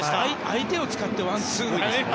相手を使ってワンツー。